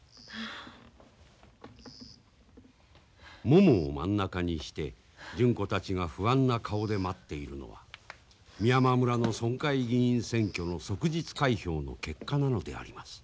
ももを真ん中にして純子たちが不安な顔で待っているのは美山村の村会議員選挙の即日開票の結果なのであります。